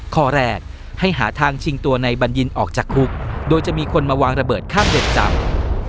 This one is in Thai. ข้อแรกให้หาทางชิงตัวในบัญญินออกจากคุกโดยจะมีคนมาวางระเบิดข้ามเรือนจำ